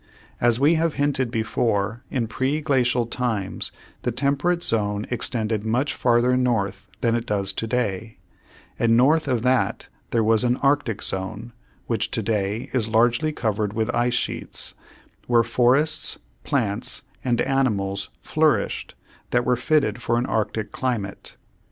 As we have hinted before, in preglacial times the temperate zone extended much farther north than it does to day, and north of that there was an arctic zone (which to day is largely covered with ice sheets), where forests, plants, and animals flourished that were fitted for an arctic climate.